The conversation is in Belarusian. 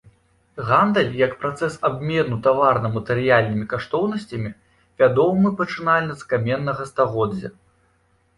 Гандаль, як працэс абмену таварна-матэрыяльнымі каштоўнасцямі, вядомы пачынальна з каменнага стагоддзя.